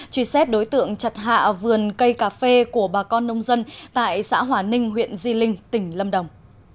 truy xét đối tượng chặt hạ vườn cây cà phê của bà con nông dân tại xã hòa ninh huyện di linh tỉnh lâm đồng